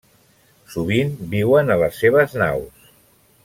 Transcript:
Sovint viuen a les seves naus.